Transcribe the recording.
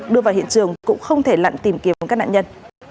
đưa vào hiện trường cũng không thể lặn tìm kiếm các nạn nhân